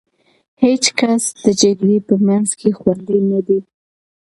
هېڅ کس د جګړې په منځ کې خوندي نه دی.